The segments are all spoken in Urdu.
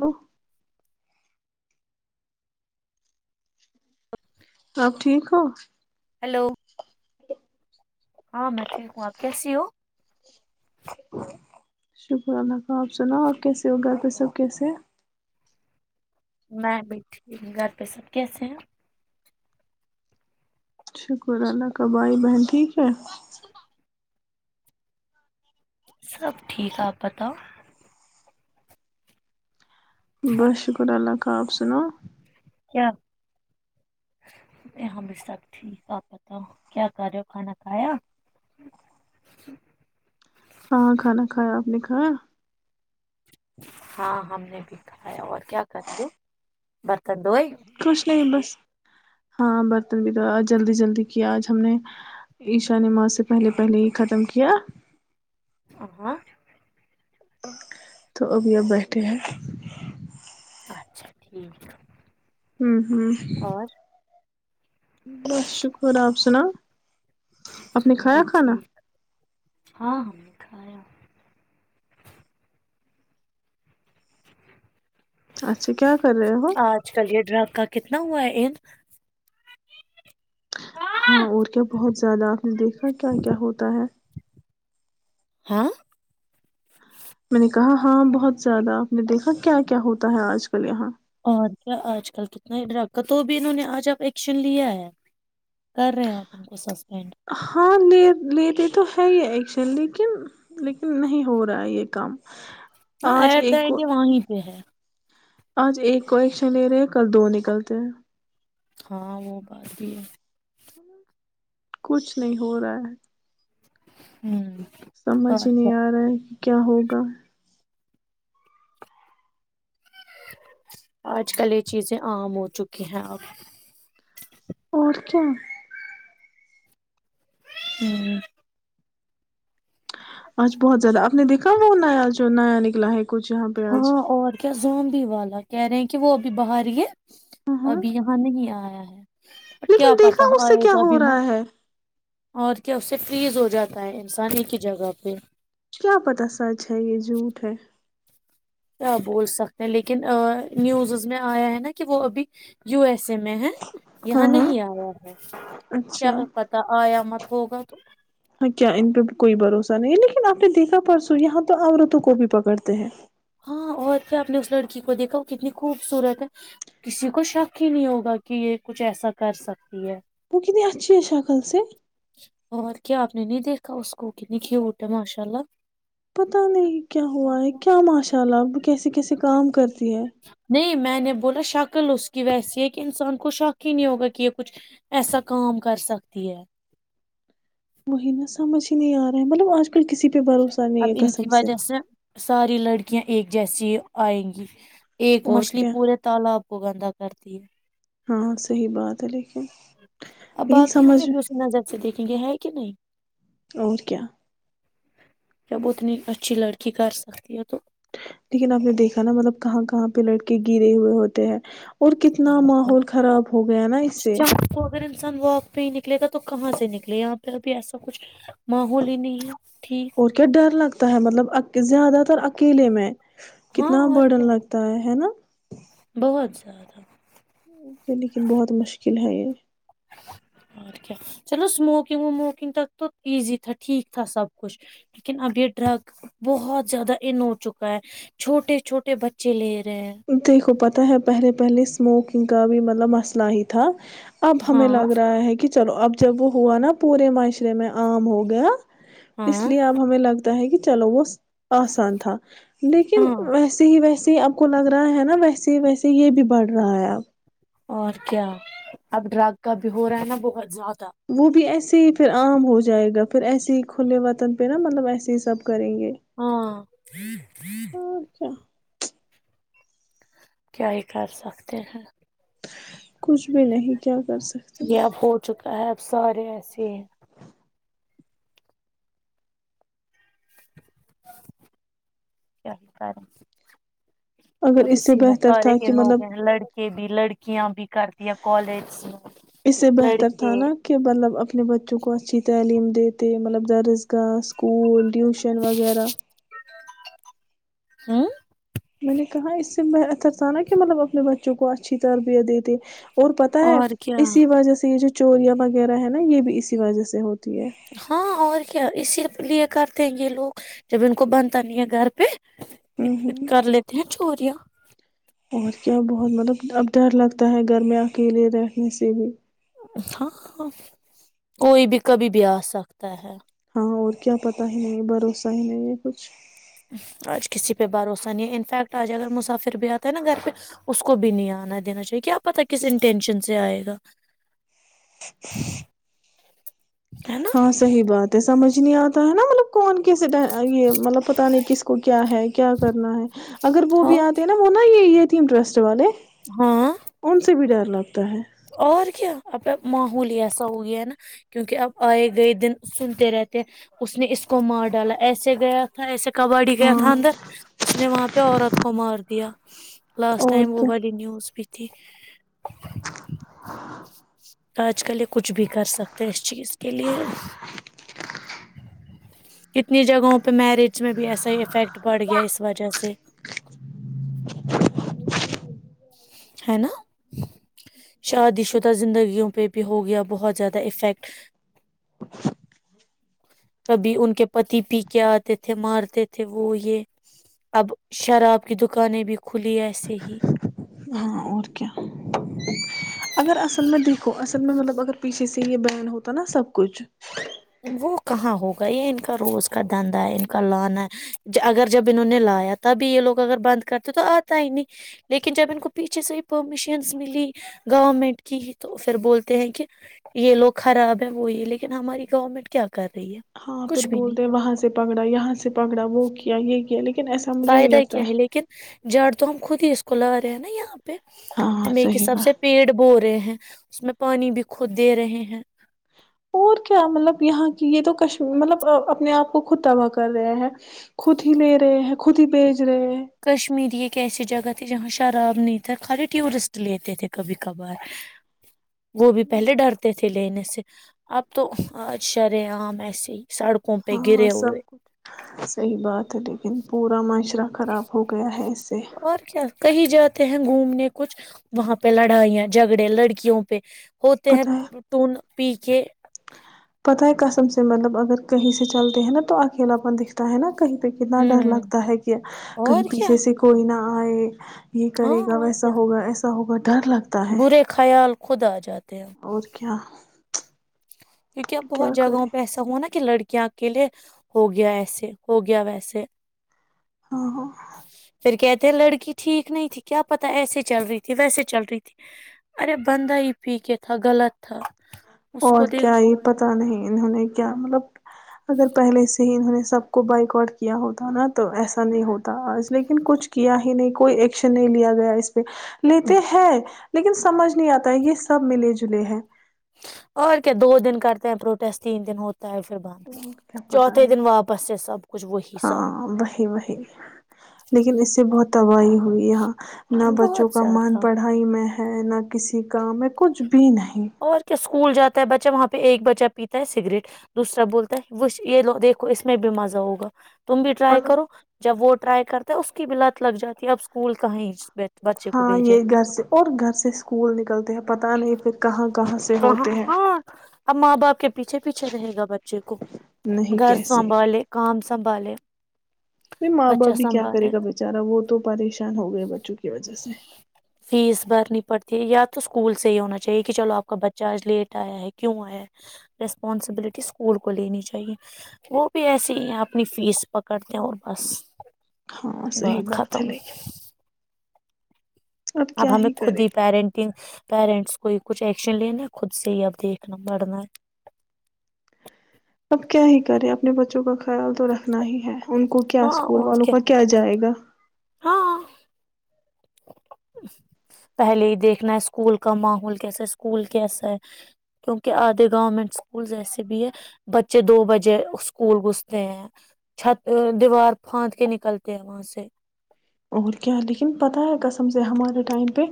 ہو آپ ٹھیک ہو ہلو ہاں میں ٹھیک ہوں آپ کیسی ہو شکر اللہ کا آپ سنا آپ کیسے ہو گھر پہ سب کیسے ہیں میں بھی ٹھیک ہ گھر پہ سب کیسے ہیں شکر اللہ کا بھائی بہن ٹھیک ہے سب ٹھیک آپ بتاؤ بس شکر اللہ ت کہ آپ سے نا کیا یہاں بھی سب ٹھیک آپ پتاؤ کیا کر رہے ہو کھانا کھایا ہاںاں کھانا کھایا آپ نے کھایا ہاں ہم نے بھی کھایا اور کیا کر رہی ہو ب خوش نہیں بس ہاں برتن بھی تو آ جلدی جلدی کیا آج ہم نے عشا نے م سے پہلے پہلے ہی ختم کیا آ ہ تو ابھی اب بیٹھے ہیں اچھا ٹھیک ہے ہوں ہوں بس شکر آپ سنا آپ نے ہم بھی کھایا کھانا ٹھیک ہاں ہم نے کھایا اچھا کیا کر رہے ہو ڈر کا کتنا ہوا ہے ان ہاں اور کیا بہت زیادہ آپ نے دیکھا کیا کیا ہوتا ہے ہاں [unintelligible] میں نے کہا ہاں بہت زیادہ آپ نے دیکھا کیا کیا ہوتا ہے آج کل یہاں اور کیا آج کل کتنا ڈرگ تو بھی انہوں نے آج آپ ایکشن لیا ہے کر رہے ہیں آپ ان کو سس ہاں لیتے تو ہے یہ ایکشن لیکن لیکن نہیں ہو رہا یہ کم ہاں ایٹ دا اینڈ یہ وہیں پہ ہے آج ایک کو ایکشن لے رہے ہیں کل دو نکلتے ہیں ہاں وہ بات بھی ہے کچھ نہیں ہو رہا ہے ہوں سمجھ اور ہی کیا نہیں آ رہا ہے کیا ہوگا آج کل یہ چیزیں عام ہو چکی ہیں اب اور کیا ہوں [inaudible] آچج بہت زیادہ آپ نے دیکھا وہ نیا جو نیا نکلا ہے کچھ یہاں پہ آج ہاں اور کیا زونی والا کہہ رہے ہیں کہ وہ ا بھی بہار یہ ہاں ہاں ابھی یہاں نہیں آ رہا ہوں ہ کیا لیکن دیکھا پتا اس سے آئے کیا گا ہو بیمار رہا ہے اور کیا اس پ فریز ہو جاتا ہے انسانی کی جگہ پہ کیا پت سچ ہے یہ جھوٹ ہے کیا بول سکتے ہیں لیکن نیوزز میں آیا ہے نا کہ وہ ابھی یو ایس ے میں ہے ہاں یہاں ہاں نہیں آیا ہے کیا اچھا پتا آیا مت ہوگا تو ہاں کیا ان پہ کوئی بھروسہ نہیں ہے لیکن آپ نے دیکھا پرسوں یہاں تو عورتوں کو بھی پکڑتے ہیں ہاں اور پ آپ نے اس لڑکی کو دیکھا وہ کتنی خوبصورت ہے کسی کو شک ہی نہیں ہوگا کہ یہ کچھ ایسا کر سکتی ہے وہک نہیں جچے سا کال سے اور کیا آپ نے نہیں دیکھا اس کو کتنی کیھیوٹ ہے ماشاء اللہ پتا نہیں کیا ہوا ہے کیا ماشرلہ چلاب کیسے کیسے کام کرتی ہے نہیں میں میں نے بولا شکل اس کی ویسی ہے کہ انسان کو شک ہی نہیں ہوگا کہ یہ کچھ ایسا کام کر سکتی ہے وہی نا سمج ہی نہیں آ رہا ہے مطلب آج کل بالکل کسی پہ بھروسہ نہیں اب ہے ان کی کسم سے وجہ ساری لڑکیاں ایک جیسی آئیں گی ایک اور مچھلی کیا پورے تالاب کو گندا کرتی ہے ہاں صحیح بات ہے لیک ا باقی ہم نے بھی اس ن جب سے دیکھھی پکے ہے کہ نہیں اور کیا جب اتنی اچھی لڑکی کر سکتی ہے تو لیکن آپ نے دیکھا نا مطلب کہاں کہاں پہ لڑکے گرے ہوئے ہوتے ہیں اور کتنا ماحول خراب ہو گیا نا اس سے شام کو اگر انسان وااک پہ ہی نکلے گا تو کہاں سے نکلے یہاں پہ ابھی ایسا کچھ ماحول ہی نہیں ہے ٹھیک اور کیا ڈر لگتا ہے مطلب زیادہ تر اکیلے میں ہاں کتنا اور کیا برڈن لگتا ہے ہے نا بہت زیادہ لیکن بہت مشکل ہے یہ اور کیا چلو اسموکنگ وموکنگ تک تو ایزی تھا ٹھیک تھا سب کچھ لیکن اب یہ ڈرگ بہت زیادہ ان ہو چکا ہے چھوٹے چھوٹے بچے لے رہے ہیں دیکھو پت تا ہے پہلے پہلے اسموکنگ کا بھی مطلب مسئلہ ہی تھا اب ہمیں ہاں لگ رہا ہے کہ چلو اب جب وہ ہوا نا پورے معاشرے میں عام ہو گیا اس ہاں لیے اب ہمیں لگتا ہے کہ چلو وہ آسان تھا لیکن ہاں ویسے ہی ویسے [unintelligible] کو لگ رہا ہے نا ویسے ہی ویسے یہ بھی بڑھ رہا ہے اب اور کیا اب ڈرگ کا بھی ہو رہا ہے نا بہت زیادہ وہ بھی ایسا ایسے ہی پھر عام ہو جائے گا پھر ایسے ہی کھلے وطن پہ نا مطلب ایسے ہی سب کریں گے ہاں اچھا کیا ہی کر سکتے ہیں کچھ بھی نہیں کیا کر سکتے یہ اب ہو چکا ہے اب سارے ایسے ہیں کیا [unintelligible] اگر اب اس سے اسی میں بہتر سارے تھا کہ مطلب لوگ ہیں لڑکے بھی لڑکیاں بھی کر دیا کالج اس سے میں بہتر تھا لڑکے نا کہ مطلب اپنے بچوں کو اچھی تعلیم دیتے مطلب درسگاہ اسکول ٹیوشن وغیرہ ہوں [unintelligible] میں نے کہا اس سے بہتر تھا نا کہ مطلب اپنے بچوں کو اچھی تربیت دیتے اور پتا ہے اور کیا اسی وجہ سے یہ جو چوریاں وغیرہ ہے نا یہ بھی اسی وجہ سے ہوتی ہے ہاں اور کیا اسی لیے کرتے ہیں یہ لوگ جب ان کو بنتا نہیں ہے گھر پہ ہ ک ہ کر لیتے ہیں چوریاں اور کیا بہت مطلب اب ڈر لگتا ہے گھر میں اکیلے رہنے سے بھی ہاں کوئی بھی کبھی بھی آ سکتا ہے اں اور کیا پتا ہی نہیں بھروسہ ہی نہیں ہے کچھ آج کسی پہ بھروسہ نہیں ہے انفیکٹ آج اگر مسافر بھی آتا ہے نا گھر پہ اس کو بھی نہیں آنا دینا چاہیے کہ آپ پتہ کس انٹینشن سے آئے گا [inaudible] ہے نا ہاں صحی بات ہے سمجھ نہیں آتا ہے نا مطلب کون کیس یہ مطلب پتا نہیں کس کو کیا ہے کیا کرنا ہے اگر وہ بھی اور آتے ہیں نا وہ نا یہ یہ ٹرسٹ والے ہاں کون سے بھی ڈر مطلب اور کیا اپ ول ہی ایسا ہو گیا نا کیونکہ اب آئے گئے دن سنتے رہتے ہیں اس نے اس کو مار ڈالا ایسے گیا تھا ایسے کباڈی گیا ہاں تھا اندر اس نے وہاں پہ پ عورت کو مار دیا لاسٹ اور ائم گ وہ کیا بڑی نیوز پچ ٹھیک [inaudible] آج کل یہ کچھ بھی کر سکتے ہیں اس چیز کے لیے کتنی جگہوں پہ میرج میں بھی ایسا ہی افیکٹ پڑ گیا اس وجہ سے ہے نا شادی شدہ زندگیوں پہ بھی ہو گیا بہت زیادہ افیکٹ کبھی ان کے پتی پی کے آتے تھے مارتے تھے وہ یہ اب شراب کی دکانیں بھی کھلی ایسے ہی ہاں اور کیا اگر اصل میں دیکھو اصل مطلب اگر پیچھے سے یہ بین ہوتا نا سب کچھ وہ کہاں ہوگا یہ ان کا روز کا دھندا ہے ان کا لان ہے اگر جب انہوں نے لایا تبھی یہ لوگ اگر بند کرتے تو آتا ہی نہیں لیکن جب ان کو پیچھے سے ہی پرمیشنس ملی گورنمنٹ کی تو پھر بولتے ہیں کہ یہ لوگ خراب ہے وہ یہ لیکن ہماری گورنمنٹ کیا کر رہی ہے ہاں کچھ پھر بھی نہیں بولتے ہیں وہاں سے پکڑا یہاں سے پکڑا وہ کیا یہ کیا لیکن ایسا مجھے نہیں فائدہ لگتا کیا ہے لیکن جڑ تو ہم خود ہی اس کو لا رہے ہیں نا یہاں پہ ہاں ہم ایک صحیح بات حساب سے پیڑ بو رہے ہیں اس میں پانی بھی خود دے رہے ہیں اور کیا مطلب یہاں کی یہ تو کشیر مطلب اپنے آپ کو خود تباہ کر رہے ہیں خود ہی لے رہے ہیں کتی پی کشمیری ایسی جگہ تھی جہاں شراب نہیں تھا خالی ٹورسٹ لیتے تھے کبھی کبھار وہ بھی پہلے ڈرتے تھے لینے سے اب تو آج شرے عام ایسے ہی سڑکوں پہ ہاں گرے سب ہوئے کچھ صحیح بات ہے د پورا مشہورہ طرح خراب ہو گیا ہے اس سے اور کیا کہیں جاتے ہیں گھومنے کچھ وہاں پہ لڑائیاں جھگڑے لڑکیوں پہ ہوتے پت ہے ہیںٹون پی کے پت ہے کسم سے مطلب اگر کہیں سے چلتے ہیں نا تو اکیلاپن دکھتا ہے نا کہیں کتنا ڈر ہوں لگتا ہے کیا کہیں اور کیا پیچھے سے کوئی نہ اور یہ ہاں کرے گا اور ویسا کیا ہوگا ایسا ہوگا ڈر لگتا ہے برے خیال خود آ جاتے ہیں اور کیا کیونکہ اب کیا بہت جگہوں کرے پہ ایسا ہوا نا کہ لڑکیاں کے لیے ہو گیا ایسے ہو گیا ویسے ہاں ہاں پھر کیا لڑکی ٹھیک نہیں تھی کیا پتا ایسے چل رہی تھی ویسے چل رہی تھی ارے بندہ ہی پی کے تھا غلط تھا اس اور کو کیا دیکھو یہ پتا نہیں انہوں نے کیا مطلب اگر پہلے سے ہی انہوں نے سب کو بائک آٹ کیا ہوتا نا تو ایسا نہیں ہوتا لیکن کچھ کیا ہی نہیں کوئی ایکشن نہیں لیا گیا اس لیتے ہیں لیکن سمجھ نہیں آتا ہے یہ سب ملے جلے ہیں اور کیا دو دن کرتے ہیں پروٹیسٹ تین دن ہوتے کیا پتا ہے واپس سے سب کچھ وہی سب ہاں وہی وہی لیکن اس سے بہت تباہی ہوئی یہاں نہ بہت بچوں کا مان زیادہ پڑھائی میں ہے نہ کسی کام ہے کچھ بھی نہیں اور کیا اسکول جاتا تا بچہ وہاں پہ ایک بچہ پیتا ہے سگریٹ دوسرا بولتا ہے یہ لو دیکھو اس میں بھی مزہ ہوگا تم بھی ٹائی مطلب کرو جب وہٹ رائی کرتا ہے اس کی بلات لگ جاتی ہے اب اسکول کہیں بچے کو ہاں بھیجے یہ گھر سے اور گھر سے اسکول نکلتے ہیں پت نہیں پھر کہاں کہاں سے ا ہوتے ہیں ہاں [unintelligible] ا ماں باپ کے پیچھے پیچھے رہے گا بچے کو نہیں گھر کیسے سنبھالے کام سنبالے ب ماں باپ بھی کیا کرے گا بےچارا وہ تو پریشان ہو گئے بچوں کی وجہ سے فیس بھرنی پڑتی ہے یا تو اسکول سے ہی ہونا چاہیے کہ چلو آپ کا بچہ آج لیٹ آیا ہے کیوں آیا ہے ریسپانسبلٹی اسکول کو لینی چاہیے وہ بھی ایسی ہی ہیں اپنی فیس پکڑتے ہیں اور بس ہاں صحی بات ہے لیکن اب ہمیں خود ہی پیرنٹنگ پیرنٹس کوئی کچھ ایکشن لینا خود سے ہی اب دیکھنا پڑنا ہے [unintelligible] اب کیا ہی کریں اپنے بچوں کا خیال تو رکھنا ہی ہے [unintelligible] ان کو کیا ہاں اسکول اور والوں کا کیا جائے گا ہاں [unintelligible] پہلے ہی دیکھنا ہے اسکول کا ماحول کیسا ہے اسکول کیسا ہے کیونکہ آدھے گورنمنٹ اسکول ایسے بھی ہے بچے دو بجے اسکول گھستے ہیں چھت دیوار پاند کے نکلتے ہیں وہاں سے [unintelligible] اور کیا لیکن پتا ہے کسم سے ہمارے ٹائم [unintelligible] پہ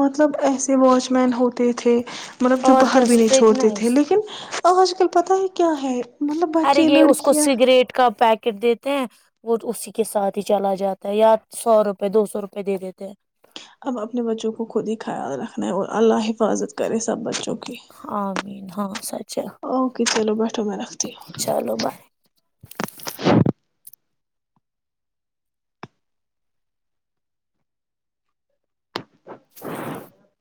مطلب ایس [unintelligible] واچ مین ہوتے تھے [unintelligible] مطلب جو اور کیا باہر بھی نہیں چھوڑتے تھے اسٹریکنس لیکن آج کل [unintelligible] پتہ ہے [unintelligible] مطلب ارے بچے یہ اس کو لڑکیاں سگریٹ کا پیک [unintelligible] ٹ دیتے ہیں وہ اسی کے ساتھ ہی چلا جاتا ہے یا سو روپے دو سو روپئے دے دیتے ہیں [unintelligible] اب اپنے بچوں کو خود ہی خیال رکھنا ہے اور اللہ حفاظت کرے سب بچوں کو [unintelligible] ہاں مین ہاں سچا اوکے چلو بیٹھو میں رکھتی ہوں۔ چلو بائے [unintelligible]